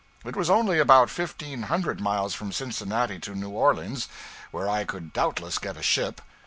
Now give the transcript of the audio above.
It was only about fifteen hundred miles from Cincinnati to New Orleans, where I could doubtless get a ship.